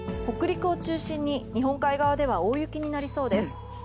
北陸を中心に日本海側では大雪になりそうです。